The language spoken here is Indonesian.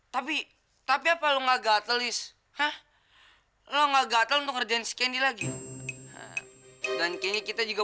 tapi tapi apa lo enggak gatel ish hah lo enggak gatel untuk kerjaan si candy lagi dan kita juga